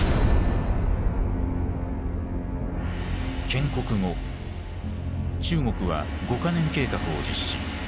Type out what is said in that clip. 建国後中国は五ヵ年計画を実施